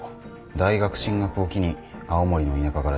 大学進学を機に青森の田舎から上京。